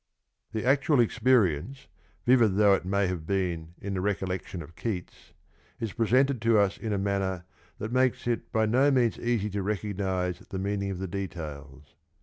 The actual experience, vivid though it may have been in the recollection of Keats, is presented to us in a manner that makes it by no means easy to recognise the meaning of the details.